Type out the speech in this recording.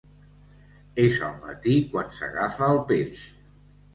És al matí quan s'agafa el peix.